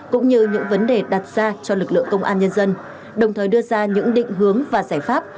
cũng như những vấn đề đặt ra cho lực lượng công an nhân dân đồng thời đưa ra những định hướng và giải pháp